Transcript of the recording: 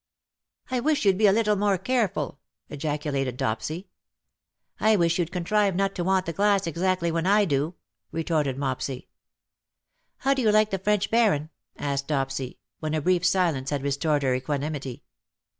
^' I wish youM be a little more careful,^^ ejacu lated Dopsy. '^ I wish you^d contrive not to want the glass exactly when I do/^ retorted Mopsy. '' How do you like the French Baron ?" asked Dopsy, when a brief silence had restored her equanimity.